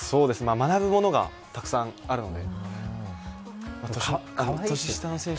学ぶものがたくさんあるので。